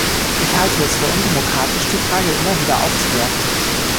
Ich halte es für undemokratisch, die Frage immer wieder aufzuwerfen.